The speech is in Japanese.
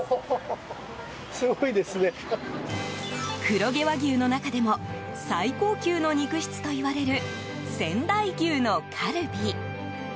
黒毛和牛の中でも最高級の肉質といわれる仙台牛のカルビ。